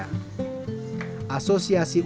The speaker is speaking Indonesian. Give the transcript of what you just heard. sebenarnya ini adalah karyawannya